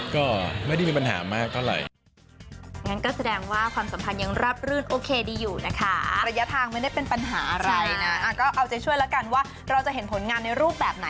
ก็ไม่ได้มีปัญหามากเท่าไหร่